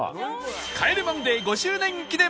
『帰れマンデー』５周年記念